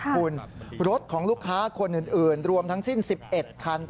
คุณรถของลูกค้าคนอื่นรวมทั้งสิ้น๑๑คัน